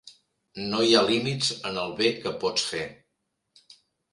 No hi ha límits en el bé que pots fer.